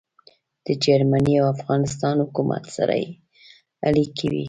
د جرمني او افغانستان حکومت سره يې اړیکې وې.